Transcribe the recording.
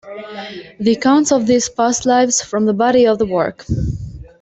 The accounts of these past lives form the body of the work.